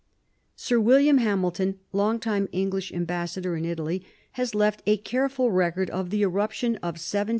Sir William Hamilton, long time English ambassador in Italy, has left a careful record of the eruption of 1793 94.